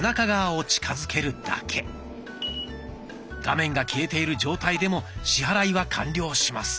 画面が消えている状態でも支払いは完了します。